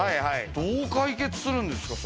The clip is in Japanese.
どう解決するんですか？